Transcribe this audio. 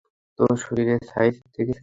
তোর শরীরের সাইজ দেখেছিস?